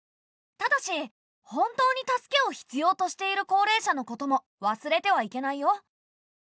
ただし本当に助けを必要としている高齢者のことも忘れてはいけないよ。